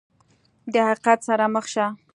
د حقیقت سره مخ شه !